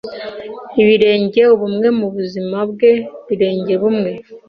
Ibirenge ubumwe mu buzime bwe birenge ubumwe